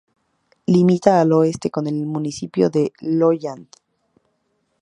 Limita al oeste con el municipio de Lolland.